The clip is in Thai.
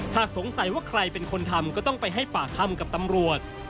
หากสงสัยว่าใครเป็นคนทำก็ต้องไปให้ปากคำกับตำรวจ